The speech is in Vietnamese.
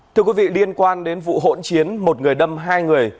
thưa quý vị liên quan đến vụ hỗn chiến một người đâm hai người